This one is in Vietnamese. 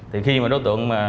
thì khi mà đối tượng